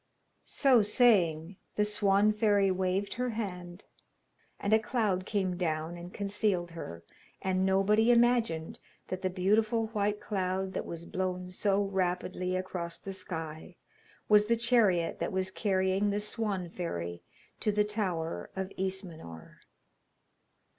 So saying, the Swan fairy waved her hand, and a cloud came down and concealed her, and nobody imagined that the beautiful white cloud that was blown so rapidly across the sky was the chariot that was carrying the Swan fairy to the tower of Ismenor.